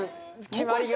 決まりが。